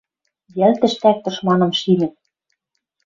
Йӓл тӹштӓк тышманым шинӹт